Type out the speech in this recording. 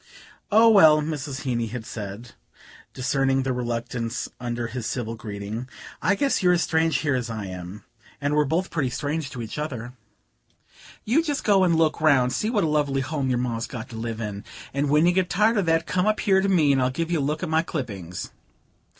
"Oh, well," Mrs. Heeny had said, discerning the reluctance under his civil greeting, "I guess you're as strange here as I am, and we're both pretty strange to each other. You just go and look round, and see what a lovely home your Ma's got to live in; and when you get tired of that, come up here to me and I'll give you a look at my clippings."